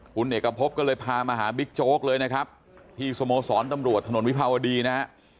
คุณเอกพบก็เลยพามาหาบิ๊กโจ๊กเลยนะครับที่สโมสรตำรวจถนนวิภาวดีนะฮะ